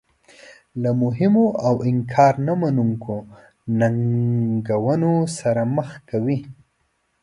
له مهمو او انکار نه منونکو ننګونو سره مخ کوي.